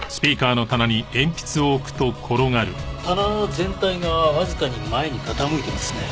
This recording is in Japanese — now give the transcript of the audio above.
棚全体がわずかに前に傾いていますね。